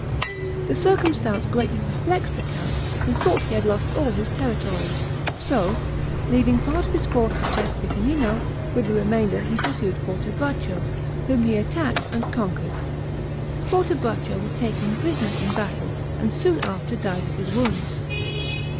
This circumstance greatly perplexed the count, who thought he had lost all his territories; so, leaving part of his force to check Piccinino, with the remainder he pursued Fortebraccio, whom he attacked and conquered. Fortebraccio was taken prisoner in the battle, and soon after died of his wounds.